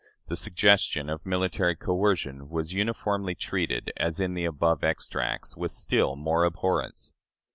The suggestion of military coercion was uniformly treated, as in the above extracts, with still more abhorrence.